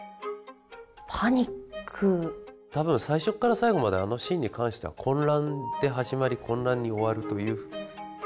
多分最初から最後まであのシーンに関しては混乱で始まり混乱に終わるという。